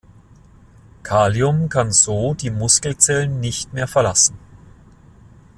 Kalium kann so die Muskelzellen nicht mehr verlassen.